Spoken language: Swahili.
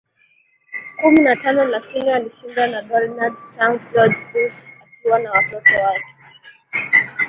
kumi na tano lakini alishindwa na Donald TrumpGeorge Bush akiwa na watoto wake